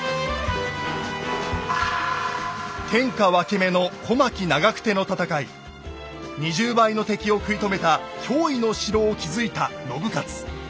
天下分け目の２０倍の敵を食い止めた驚異の城を築いた信雄。